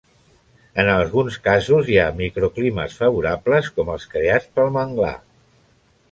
En alguns casos hi ha microclimes favorables com els creats pel manglar.